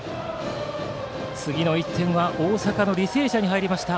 次の１点は大阪の履正社に入りました。